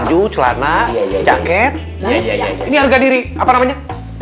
ini harga diri apa namanya